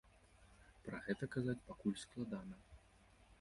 Пра гэта казаць пакуль складана.